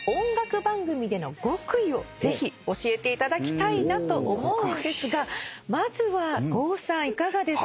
ぜひ教えていただきたいなと思うんですがまずは郷さんいかがですか？